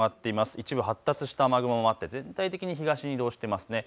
一部発達した雨雲もあって全体的に東に移動していますね。